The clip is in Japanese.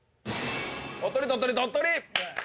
鳥取鳥取鳥取！